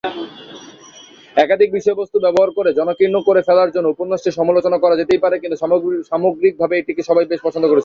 একাধিক বিষয়বস্তু ব্যবহার করে জনাকীর্ণ করে ফেলার জন্য উপন্যাসটির সমালোচনা করা যেতেই পারে কিন্তু সামগ্রিকভাবে এটিকে সবাই বেশ পছন্দ করেছিল।